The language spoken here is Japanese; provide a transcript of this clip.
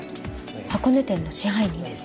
箱根店の支配人です